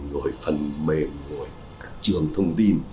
rồi phần mềm rồi trường thông tin